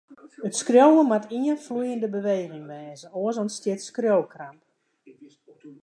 It skriuwen moat ien floeiende beweging wêze, oars ûntstiet skriuwkramp.